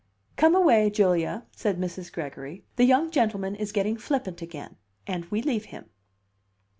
"Come away, Julia," said Mrs. Gregory. "The young gentleman is getting flippant again, and we leave him."